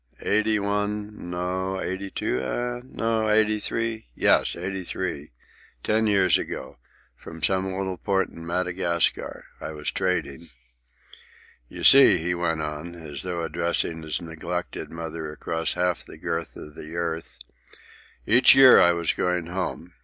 "Eighty one; no—eighty two, eh? no—eighty three? Yes, eighty three. Ten years ago. From some little port in Madagascar. I was trading. "You see," he went on, as though addressing his neglected mother across half the girth of the earth, "each year I was going home.